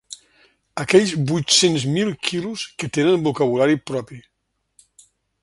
Aquells vuit-cents mil quilos que tenen vocabulari propi.